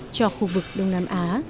cho khu vực đông nam á